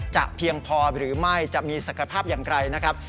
เพียงพอหรือไม่จะมีศักยภาพอย่างไรนะครับ